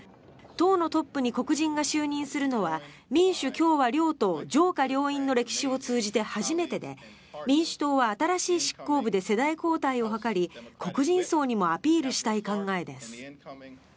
党のトップに黒人が就任するのは民主・共和両党上下両院の歴史を通じて初めてで民主党は新しい執行部で世代交代を図り黒人層にもアピールしたい考えです。